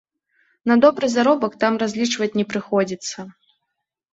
На добры заробак там разлічваць не прыходзіцца.